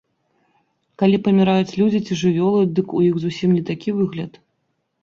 Калі паміраюць людзі ці жывёлы, дык у іх зусім не такі выгляд.